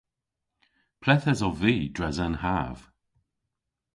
Ple'th esov vy dres an hav?